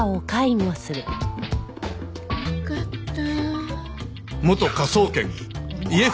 よかったー。